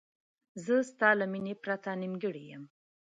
زه ستا له مینې پرته نیمګړی یم.